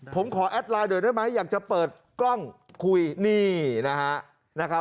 ผมขอแอดไลน์หน่อยได้ไหมอยากจะเปิดกล้องคุยนี่นะครับ